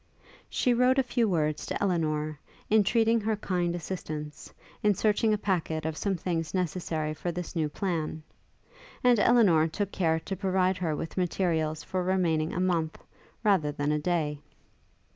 She wrote a few words to Elinor, entreating her kind assistance, in searching a packet of some things necessary for this new plan; and Elinor took care to provide her with materials for remaining a month, rather than a day.